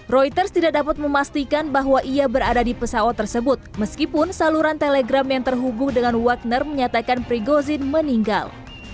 reuters tidak dapat memastikan bahwa ia berada di pesawat tersebut meskipun saluran telegram yang terhubung dengan wagner menyatakan prigozin meninggal